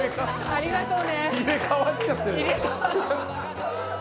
ありがとう。